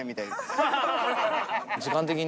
時間的に？